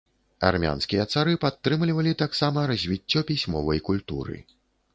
Армянскія цары падтрымлівалі таксама развіццё пісьмовай культуры.